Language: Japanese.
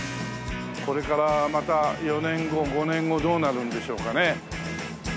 これからまた４年後５年後どうなるんでしょうかね？